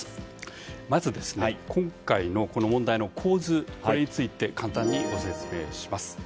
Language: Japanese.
まず、今回のこの問題の構図について簡単にご説明します。